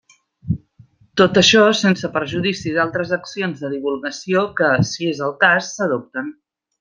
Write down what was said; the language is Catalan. Tot això sense perjudici d'altres accions de divulgació que, si és el cas, s'adopten.